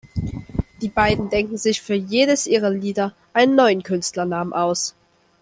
Die beiden denken sich für jedes ihrer Lieder einen neuen Künstlernamen aus.